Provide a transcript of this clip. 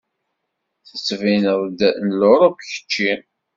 Tettbineḍ-d n Luṛup kečči.